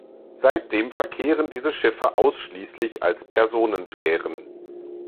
Seitdem verkehren diese Schiffe ausschließlich als Personenfähren.